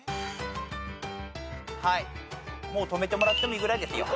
もう止めてもらってもいいぐらいですよ。